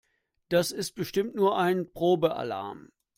Das ist bestimmt nur ein Probealarm.